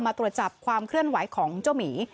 ตรวจจับความเคลื่อนไหวของเจ้าหมี